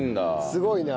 すごいな。